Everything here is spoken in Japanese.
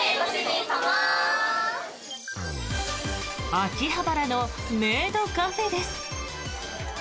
秋葉原のメイドカフェです。